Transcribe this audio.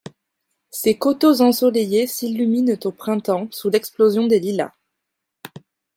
Ses coteaux ensoleillés s'illuminent au printemps sous l'explosion des lilas.